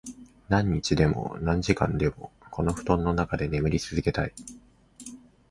何日でも、何時間でも、この布団の中で眠り続けたい。